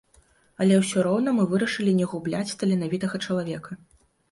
Але ўсё роўна мы вырашылі не губляць таленавітага чалавека.